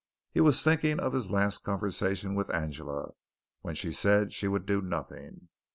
He was thinking of his last conversation with Angela, when she said she would do nothing.